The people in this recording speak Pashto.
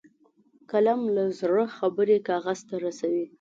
قلم له زړه خبرې کاغذ ته رسوي